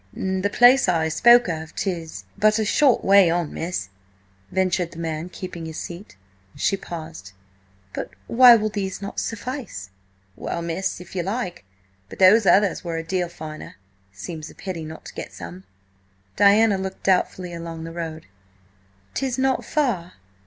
"The place I spoke of is but a short way on, miss," ventured the man, keeping his seat. She paused. "But why will these not suffice?" "Well, miss, if you like. But those others were a deal finer. It seems a pity not to get some." Diana looked doubtfully along the road. "'Tis not far?"